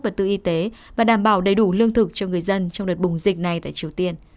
vật tư y tế và đảm bảo đầy đủ lương thực cho người dân trong đợt bùng dịch này tại triều tiên